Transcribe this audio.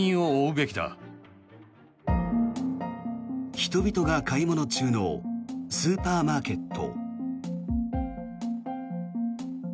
人々が買い物中のスーパーマーケット。